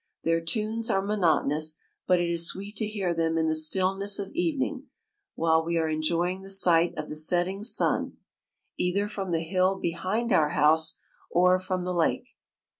Their tunes are monotonous, but it is sweet to hear them in the still ness of evening, while we are enjoying the sight of thesetting.sun, either from 106 the hill behind our house or from the lake.